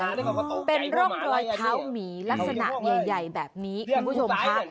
เป็นร่องรอยเท้าหมีลักษณะใหญ่ใหญ่แบบนี้คุณผู้ชมค่ะ